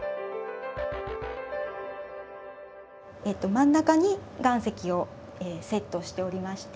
真ん中に岩石をセットしておりまして